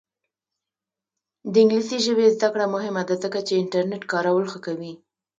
د انګلیسي ژبې زده کړه مهمه ده ځکه چې انټرنیټ کارول ښه کوي.